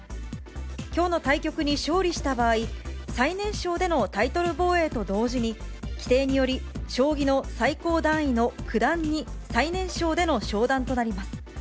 きょうの対局に勝利した場合、最年少でのタイトル防衛と同時に、規定により、将棋の最高段位の九段に最年少での昇段となります。